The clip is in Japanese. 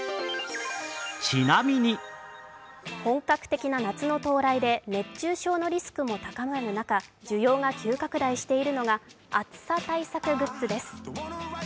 本格的な夏の到来で熱中症のリスクも高まる中、需要が急拡大しているのが暑さ対策グッズです。